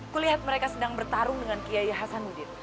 kulihat mereka sedang bertarung dengan kiai hasanuddin